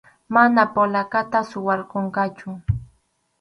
Mana polacata suwarqunqachu.